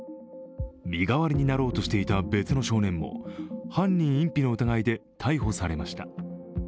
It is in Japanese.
身代わりになろうとしていた別の少年も犯人隠避の疑いで逮捕されました。